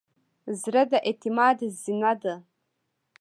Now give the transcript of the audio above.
زړه د اعتماد زینه ده.